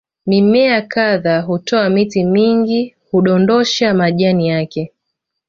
Mimea kadhaa huota miti mingi hudondosha majani yake